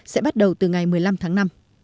sẽ bắt đầu từ ngày một mươi năm tháng năm